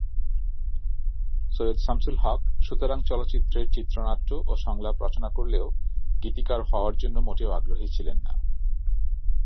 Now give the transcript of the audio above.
সৈয়দ শামসুল হক 'সুতরাং' চলচ্চিত্রের চিত্রনাট্য ও সংলাপ রচনা করলেও গীতিকার হওয়ার জন্য মোটেও আগ্রহী ছিলেন না।